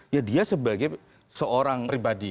ya dia sebagai seorang pribadi